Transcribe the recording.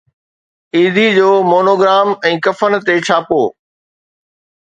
ايڌي جو مونوگرام ۽ ڪفن تي ڇاپو